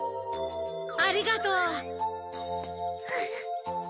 ありがとう。